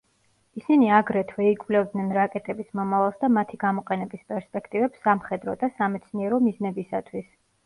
ისინი აგრეთვე იკვლევდნენ რაკეტების მომავალს და მათი გამოყენების პერსპექტივებს სამხედრო და სამეცნიერო მიზნებისათვის.